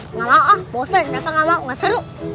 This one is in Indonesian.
nggak mau ah bosen rafa nggak mau nggak seru